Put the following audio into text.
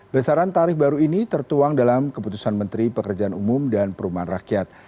besaran tarif baru ini tertuang dalam keputusan menteri pekerjaan umum dan perumahan rakyat